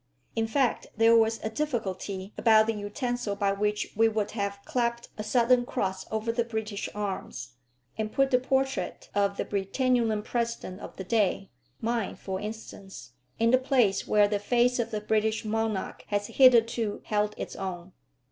In fact there was a difficulty about the utensil by which we would have clapped a Southern Cross over the British arms, and put the portrait of the Britannulan President of the day, mine for instance, in the place where the face of the British monarch has hitherto held its own.